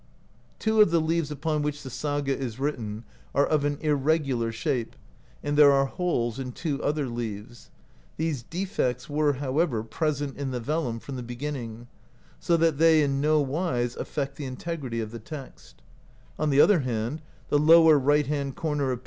Two of the leaves upon which the saga is written are of an irregular shape, and there are holes in two other leaves ; these de fects were, however, present in the vellum from the be ginning, so that they in no wise affect the integrity of the text ; on the other hand the lower right hand corner of p.